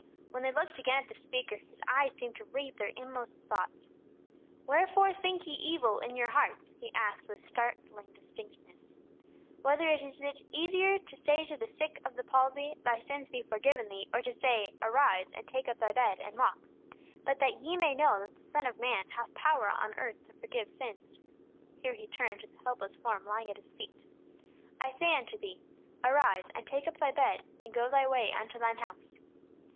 When they looked again at the speaker, His eyes seemed to read their inmost thoughts. "Wherefore think ye evil in your hearts?" He asked, with startling distinctness. "Whether is it easier to say to the sick of the palsy, Thy sins be forgiven thee; or to say, Arise, and take up thy bed, and walk? But that ye may know that the Son of man hath power on earth to forgive sins," here He turned to the helpless form lying at His feet, "I say unto thee, Arise, and take up thy bed, and go thy way unto thine house."